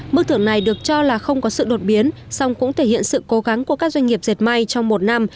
mức thưởng này được cho là không có sự đột biến song cũng thể hiện sự cố gắng của các doanh nghiệp dệt may trong một năm